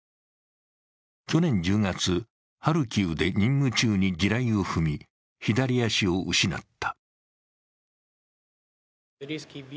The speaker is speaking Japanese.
去年１０月、ハルキウで任務中に地雷を踏み、左足を失った。